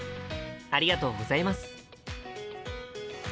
ありがとうございます。